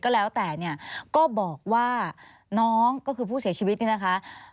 ก็แล้วแต่เนี่ยก็บอกว่าน้องก็คือผู้เสียชีวิตเนี่ยนะคะ